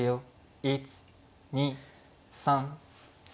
１２３４。